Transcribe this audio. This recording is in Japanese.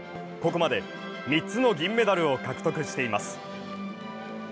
ここまで３つの銀メダルを獲得しています。